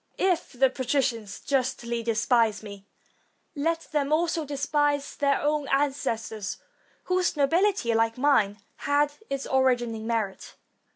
If the patricians justly despise me, let them also despise their own ancestors, whose nobility, like mine, had its origin in merit.